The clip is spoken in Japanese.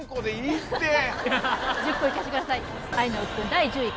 第１０位